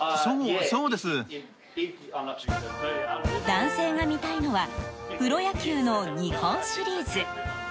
男性が見たいのはプロ野球の日本シリーズ。